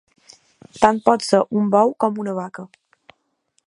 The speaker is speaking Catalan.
Tant pot ser un bou com una vaca.